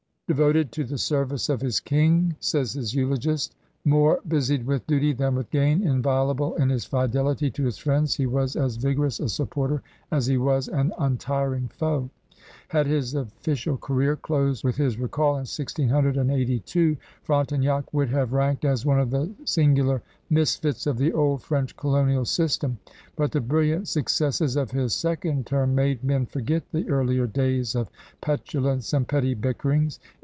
"Devoted to the service of his king," says his eulogist, "more busied with duty than with gain; inviolable in his fidelity to his friends, he was as vigorous a supporter as he was an untiring foe." Had his official career closed with his recall in 1682, Frontenac would have ranked as one of the singular misfits of the old French colonial system. But the brilliant suc cesses of his second term made men forget the earlier days of petulance and petty bickerings.